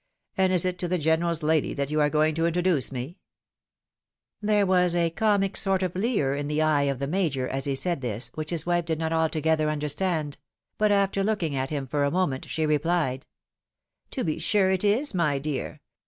And is it to the General's lady that you are going to introduce me ?" There was a comic sort of leer in the eye of the Major as he said this, which his wife did not altogether understand ; but after looking at him for a moment, she rephed, "To be sure it is, my dear.